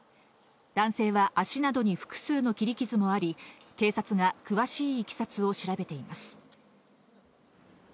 男性は足などに複数の切り傷もあり、警察が詳しいいきさつを調べています。